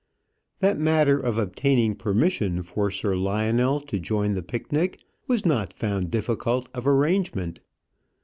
That matter of obtaining permission for Sir Lionel to join the picnic was not found difficult of arrangement.